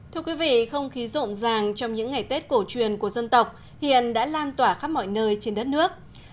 thưa quý vị không khí rộn ràng trong những ngày tết cổ truyền của dân tộc hiện đã lan tỏa khắp mọi nơi trên đất nước